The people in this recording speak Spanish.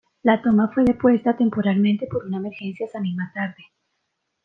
La toma fue depuesta temporalmente por una emergencia esa misma tarde.